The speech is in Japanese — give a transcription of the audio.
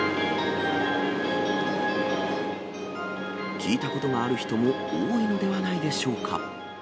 聞いたことがある人も多いのではないでしょうか。